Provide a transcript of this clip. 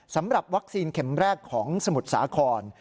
สำหรับวัคซีนเข็มแรกของสมุทรสาคร